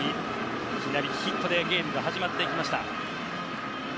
いきなりヒットでゲームが始まっていきました。